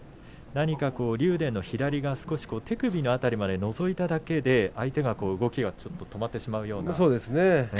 竜電の左が少し手首の辺りまでのぞいただけで相手の動きが止まってしまうような。